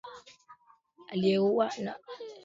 aye huandika maswala ya vita serikali na maswala ya mahusiano